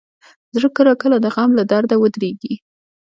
زړه کله کله د غم له درده ودریږي.